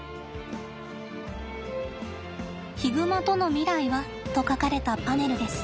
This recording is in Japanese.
「ヒグマとの未来は？」と書かれたパネルです。